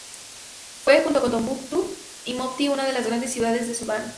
Fue, junto a Tombuctú y Mopti, una de las grandes ciudades del Sudán.